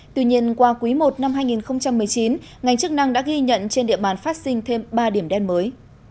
tuy nhiên qua quý i năm hai nghìn một mươi chín ngành chức năng đã ghi nhận trên địa bàn phát sinh thêm ba điểm đen mới